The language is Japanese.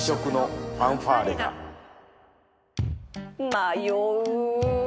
迷う